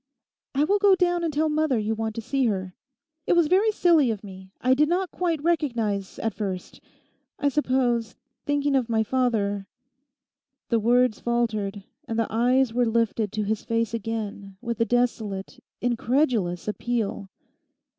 'I will go down and tell mother you want to see her. It was very silly of me. I did not quite recognise at first...I suppose, thinking of my father—' The words faltered, and the eyes were lifted to his face again with a desolate, incredulous appeal.